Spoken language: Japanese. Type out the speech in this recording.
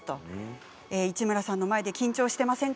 市村さんの前で緊張していませんか？